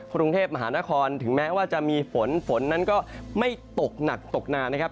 กรุงเทพมหานครถึงแม้ว่าจะมีฝนฝนนั้นก็ไม่ตกหนักตกนานนะครับ